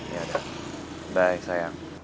yaudah bye sayang